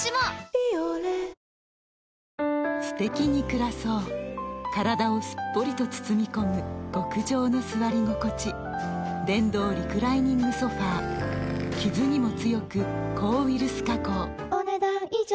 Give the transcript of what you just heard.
すてきに暮らそう体をすっぽりと包み込む極上の座り心地電動リクライニングソファ傷にも強く抗ウイルス加工お、ねだん以上。